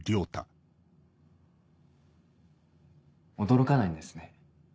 驚かないんですね？